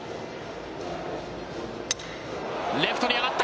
レフトに上がった。